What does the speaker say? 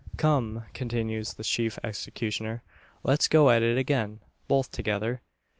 "Come!" continues the chief executioner. "Let's go at it again both together.